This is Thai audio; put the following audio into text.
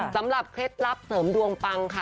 เคล็ดลับเสริมดวงปังค่ะ